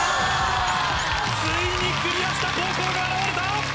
ついにクリアした高校が現れた！